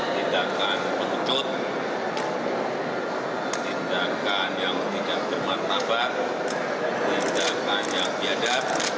tindakan penucut tindakan yang tidak jembat tabat tindakan yang tiada